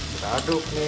kita aduk nih